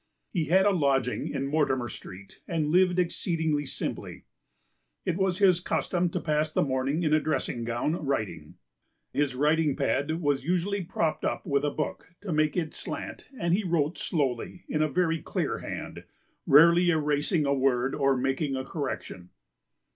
He had a lodging in Mortimer Street and lived exceedingly simply. It was his custom to pass the morning in a dressing gown writing. His writing pad was usually propped up with a book to make it slant and he wrote slowly p. xvin a very clear hand, rarely erasing a word or making a correction.